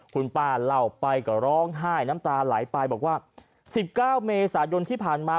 คุณป้าเล่าไปก็ร้องไห้น้ำตาไหลไปบอกว่า๑๙เมษายนที่ผ่านมา